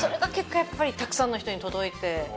やっぱりたくさんの人に届いて。